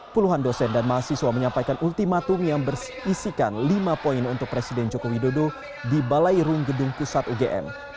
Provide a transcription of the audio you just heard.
puluhan dosen dan mahasiswa menyampaikan ultimatum yang berisikan lima poin untuk presiden joko widodo di balai rung gedung pusat ugm